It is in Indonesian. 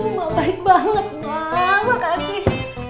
mak baik banget mak makasih